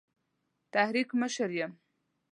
تحریک مشر یم.